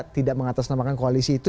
tidak mengatasnamakan koalisi itu